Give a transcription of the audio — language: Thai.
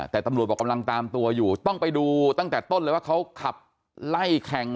แต่ตำรวจบอกกำลังตามตัวอยู่ต้องไปดูตั้งแต่ต้นเลยว่าเขาขับไล่แข่ง